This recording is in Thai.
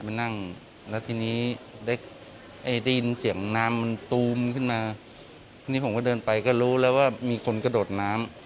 มานั่งแล้วทีนี้ได้ได้ยินเสียงน้ำมันตูมขึ้นมาทีนี้ผมก็เดินไปก็รู้แล้วว่ามีคนกระโดดน้ำ